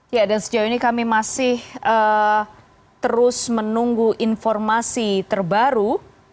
ya dan sejauh ini kami masih terus menunggu informasi terbaru